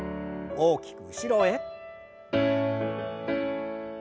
大きく後ろへ。